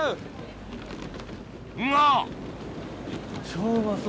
超うまそう。